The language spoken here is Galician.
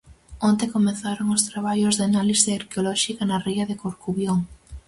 Onte comezaron os traballos de análise arqueolóxica na ría de Corcubión.